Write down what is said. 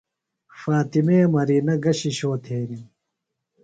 فاطمے مرینہ گہ شِشو تھینِم؟